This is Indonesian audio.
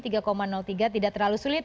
tidak terlalu sulit